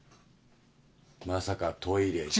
まさかトイレ。